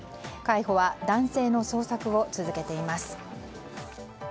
海保は男性の捜索を続けています。